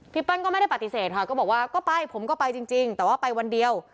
เปิ้ลก็ไม่ได้ปฏิเสธค่ะก็บอกว่าก็ไปผมก็ไปจริงแต่ว่าไปวันเดียว